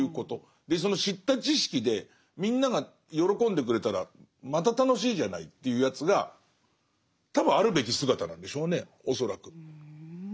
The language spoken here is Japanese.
でその知った知識でみんなが喜んでくれたらまた楽しいじゃないっていうやつが多分あるべき姿なんでしょうね恐らく。